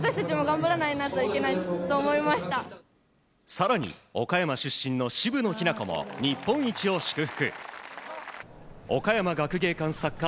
更に、岡山出身の渋野日向子も日本一を祝福。